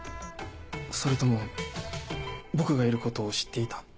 それとも僕がいることを知っていた？